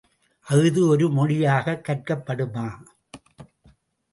அஃது ஒரு மொழியாகக் கற்கப் படுமா?